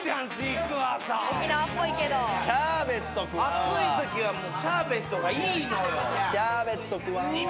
暑いときはシャーベットがいいのよ。